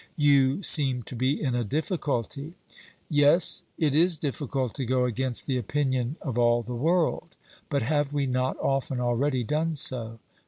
'You seem to be in a difficulty.' Yes; it is difficult to go against the opinion of all the world. 'But have we not often already done so?'